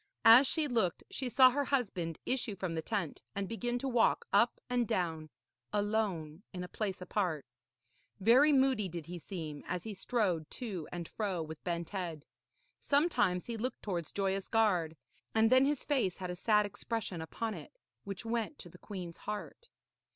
As she looked, she saw her husband issue from the tent and begin to walk up and down alone in a place apart. Very moody did he seem, as he strode to and fro with bent head. Sometimes he looked towards Joyous Gard, and then his face had a sad expression upon it which went to the queen's heart.